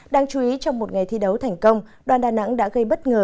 đáng chú ý trong một ngày thi đấu thành công đoàn đà nẵng đã gây bất ngờ